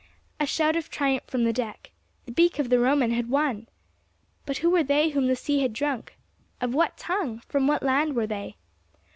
A shout of triumph from the deck—the beak of the Roman had won! But who were they whom the sea had drunk? Of what tongue, from what land were they?